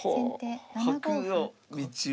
角の道を。